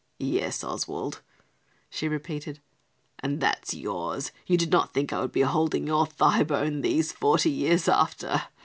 "Yes, Oswald," she repeated, "and that's yours. You did not think I would be holding your thigh bone these forty years after!